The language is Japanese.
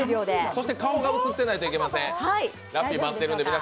そして顔が写っていないといけません。